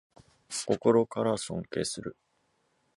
心から尊敬する